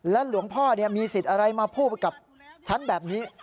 หลวงพ่อมีสิทธิ์อะไรมาพูดกับฉันแบบนี้